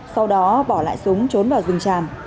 sau đó bỏ lại súng trốn vào rừng tràm